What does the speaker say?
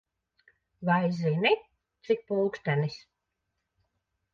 Vai zini, cik pulkstenis?